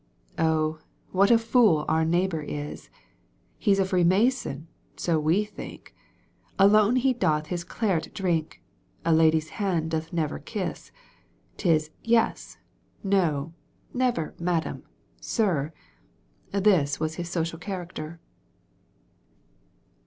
" Oh ! what a fool our neighbour is ! He's a freemason, so we think. Alone he doth his claret drink, A lady's hand doth never kiss. 'Tis yes ! no ! never madam ! sir /"^* This was his social character.